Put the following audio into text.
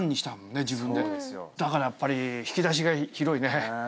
だからやっぱり引き出しが広いね。